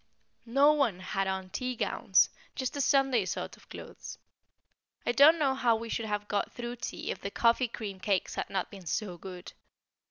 No one had on tea gowns just a Sunday sort of clothes. I don't know how we should have got through tea if the coffee cream cakes had not been so good.